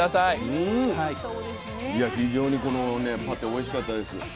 いや非常にこのパテおいしかったです。